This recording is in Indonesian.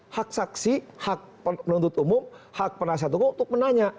hak saksi hak penuntut umum hak penasihat hukum untuk menanya